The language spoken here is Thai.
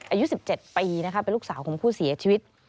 อายุ๑๗ปีนะคะเป็นลูกสาวของผู้เสียชีวิต